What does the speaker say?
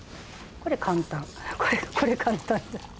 これ簡単だ。